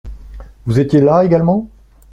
Vous étiez là également ?